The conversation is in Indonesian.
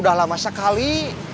udah lama sekali